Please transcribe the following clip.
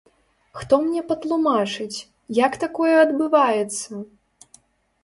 Хто мне патлумачыць, як такое адбываецца?